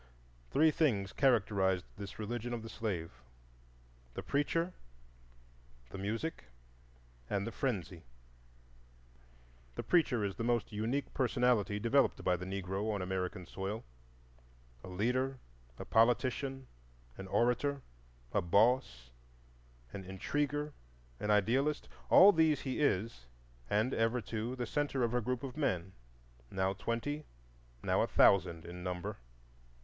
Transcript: Three things characterized this religion of the slave,—the Preacher, the Music, and the Frenzy. The Preacher is the most unique personality developed by the Negro on American soil. A leader, a politician, an orator, a "boss," an intriguer, an idealist,—all these he is, and ever, too, the centre of a group of men, now twenty, now a thousand in number.